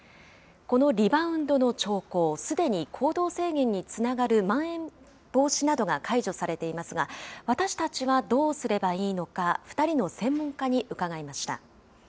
このリバウンドの兆候、すでに行動制限につながるまん延防止などが解除されていますが、私たちはどうすればいいのか、２人の専門家に伺いました。